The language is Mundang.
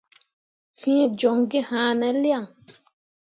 ̃Fẽe joŋ gi haane lian ?